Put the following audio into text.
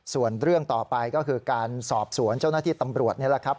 ส่วนเรื่องต่อไปก็คือการสอบสวนเจ้าหน้าที่ตำรวจนี่แหละครับ